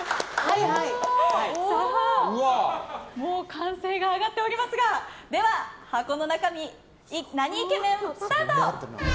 歓声が上がっておりますがでは、箱の中身はなにイケメン？スタート！